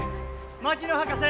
・槙野博士！